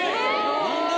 何で！？